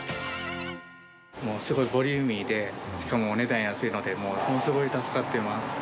すごいボリューミーで、しかもお値段安いので、もう、すごい助かってます。